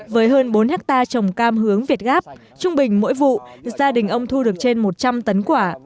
với hơn bốn hectare trồng cam hướng việt gáp trung bình mỗi vụ gia đình ông thu được trên một trăm linh tấn quả